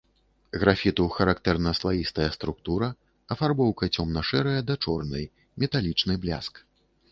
Графіту характэрна слаістая структура, афарбоўка цёмна-шэрая да чорнай, металічны бляск.